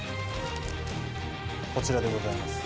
こちらでございます。